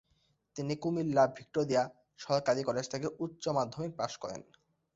তিনি কুমিল্লা ভিক্টোরিয়া সরকারি কলেজ থেকে উচ্চমাধ্যমিক পাশ করেন।